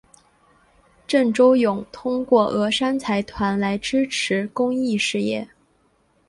郑周永通过峨山财团来支持公益事业。